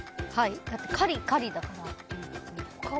だってカリカリだから。